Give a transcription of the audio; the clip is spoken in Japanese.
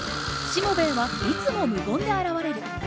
しもべえはいつも無言で現れる。